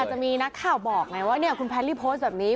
จะมีนักข่าวบอกไงว่าคุณแพรรี่โพสต์แบบนี้